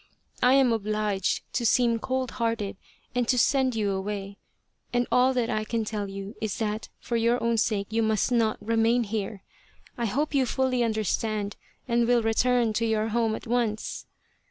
I am obliged to seem cold hearted and to send you away, and all that I can tell you is that for your own sake you must not remain here. I hope you fully understand and will return to your home at once."